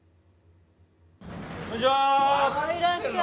こんにちは！